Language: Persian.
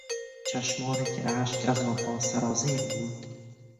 چشمانی که اشک از آنها سرازیر بود